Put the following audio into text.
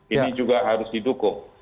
ini juga harus didukung